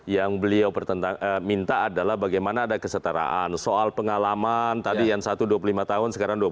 yang beliau minta adalah bagaimana ada kesetaraan soal pengalaman tadi yang satu dua puluh lima tahun sekarang dua puluh